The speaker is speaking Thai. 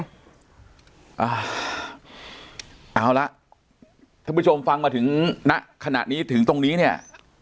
เอาละท่านผู้ชมฟังมาถึงณขณะนี้ถึงตรงนี้เนี่ย